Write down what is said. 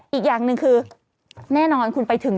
อีกอย่างหนึ่งคือแน่นอนคุณไปถึง